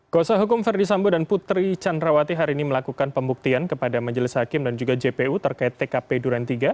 kuasa hukum verdi sambo dan putri candrawati hari ini melakukan pembuktian kepada majelis hakim dan juga jpu terkait tkp duren tiga